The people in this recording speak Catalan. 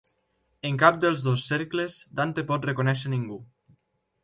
En cap dels dos cercles Dante pot reconèixer ningú.